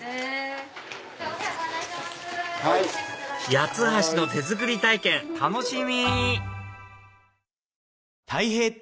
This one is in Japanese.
八つ橋の手作り体験楽しみ！